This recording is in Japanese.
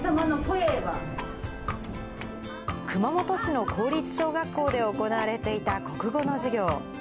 熊本市の公立小学校で行われていた国語の授業。